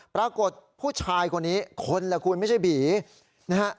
ปรากฏผู้ชายคนนี้คนละคุณไม่ใช่ผีนะฮะ